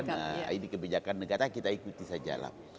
mungkin ditarik ya kan nah ini kebijakan negara kita ikuti sajalah